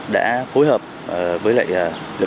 đã phối hợp với lại